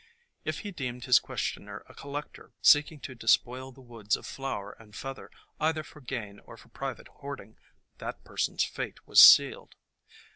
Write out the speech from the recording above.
If he deemed his questioner a collector, seeking to despoil the woods of flower and feather either for gain or private hoarding, that person's fate was sealed.